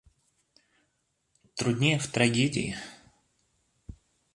Труднее в трагедии.